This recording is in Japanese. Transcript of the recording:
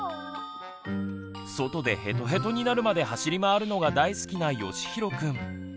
外でヘトヘトになるまで走り回るのが大好きなよしひろくん。